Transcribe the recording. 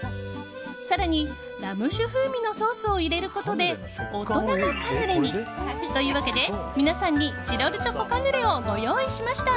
更に、ラム酒風味のソースを入れることで大人なカヌレに。というわけで、皆さんにチロルチョコカヌレをご用意しました。